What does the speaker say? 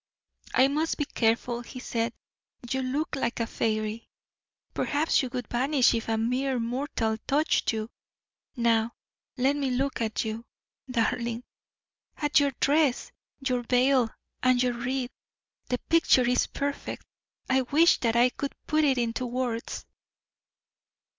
"I must be careful," he said. "You look like a fairy. Perhaps you would vanish if a mere mortal touched you. Now, let me look at you, darling at your dress, your veil, and your wreath. The picture is perfect. I wish that I could put it into words."